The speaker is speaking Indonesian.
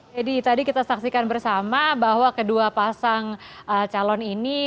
jadi tadi kita saksikan bersama bahwa kedua pasang calon ini